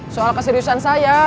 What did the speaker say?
soal keseriusan saya